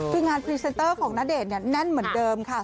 คืองานพรีเซนเตอร์ของณเดชน์แน่นเหมือนเดิมค่ะ